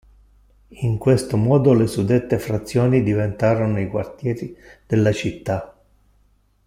In questo modo le suddette frazioni diventarono i quartieri della città.